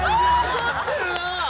怒ってるな！